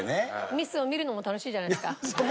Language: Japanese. ミスを見るのも楽しいじゃないですか。